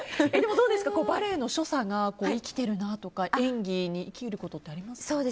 バレエの所作が生きてるなとか演技に生きることってあります？